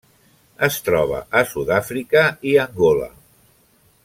Es troba a Sud-àfrica i Angola.